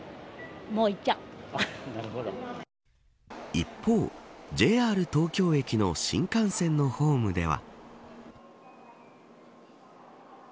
一方、ＪＲ東京駅の新幹線のホームでは。